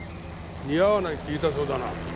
似合わないって言いたそうだな。